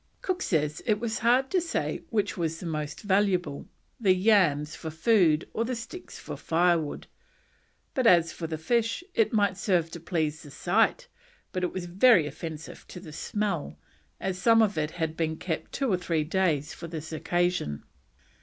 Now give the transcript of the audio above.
Cook says it was hard to say which was the most valuable, the yams for food or the sticks for firewood; but, as for the fish, "it might serve to please the sight, but was very offensive to the smell, as some of it had been kept two or three days for this occasion."